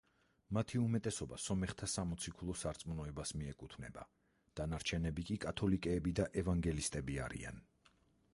მათი უმეტესობა სომეხთა სამოციქულო სარწმუნოებას მიეკუთვნება, დანარჩენები კი კათოლიკეები და ევანგელისტები არიან.